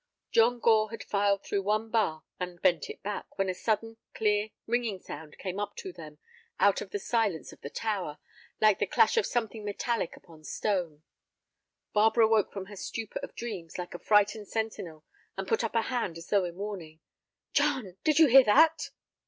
John Gore had filed through one bar and bent it back, when a sudden, clear, ringing sound came up to them out of the silence of the tower, like the clash of something metallic upon stone. Barbara woke from her stupor of dreams like a frightened sentinel, and put up a hand as though in warning. "John! Did you hear that?"